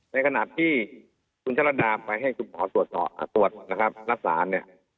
ในขณะที่คุณช่อรัฐดาไปให้คุณหมอตรวจรักษาเนี่ย